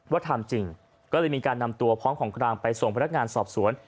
ทำจริงก็เลยมีการนำตัวพร้อมของกลางไปส่งพนักงานสอบสวน